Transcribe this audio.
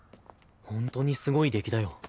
ほんとにすごい出来だよ。